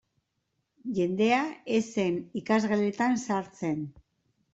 Jendea ez zen ikasgeletan sartzen.